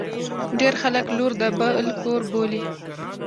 ډیر خلګ لور د بل کور بولي.